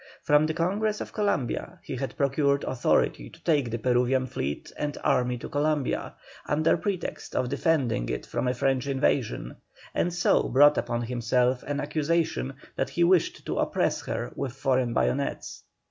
From the Congress of Columbia he had procured authority to take the Peruvian fleet and army to Columbia, under pretext of defending it from a French invasion, and so brought upon himself an accusation that he wished to oppress her with foreign bayonets.